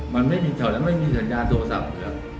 มันไม่มีแถวนั้นไม่มีสัญญาณโทรศัพท์ครับ